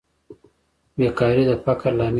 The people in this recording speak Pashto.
بیکاري د فقر لامل کیږي